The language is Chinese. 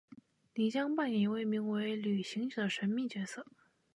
你将扮演一位名为「旅行者」的神秘角色。